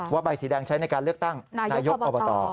ใบสีแดงใช้ในการเลือกตั้งนายกอบต